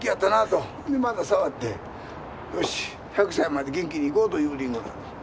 でまた触ってよし１００歳まで元気にいこうというりんごなんです。